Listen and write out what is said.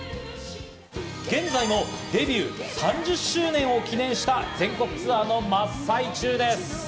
現在もデビュー３０周年を記念した、全国ツアーの真っ最中です。